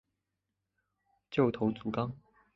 旧头足纲